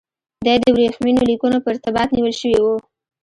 دی د ورېښمینو لیکونو په ارتباط نیول شوی و.